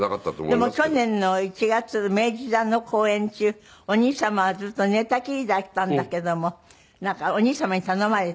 でも去年の１月明治座の公演中お兄様はずっと寝たきりだったんだけどもなんかお兄様に頼まれて。